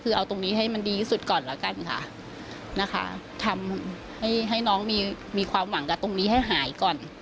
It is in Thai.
คือเอาตรงนี้ให้มันดีที่สุดก่อนแล้วกันค่ะนะคะทำให้ให้น้องมีความหวังกับตรงนี้ให้หายก่อน